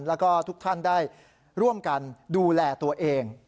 แล้วก็ทุกท่านได้ร่วมกันดูแลตัวเอง